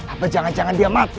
apa jangan jangan dia mati